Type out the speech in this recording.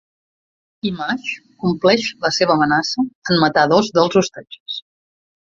Image compleix la seva amenaça en matar dos dels ostatges.